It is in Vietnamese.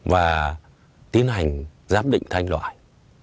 và tiến hành giám định thanh loại